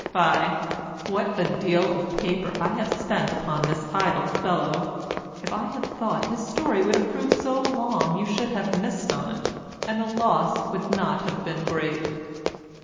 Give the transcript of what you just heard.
Fye! what a deal of paper I have spent upon this idle fellow; if I had thought his story would have proved so long you should have missed on't, and the loss would not have been great.